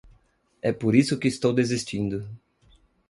É por isso que estou desistindo.